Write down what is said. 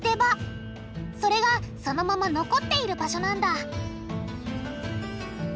それがそのまま残っている場所なんだ